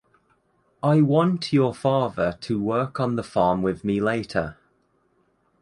I want your father to work on the farm with me later.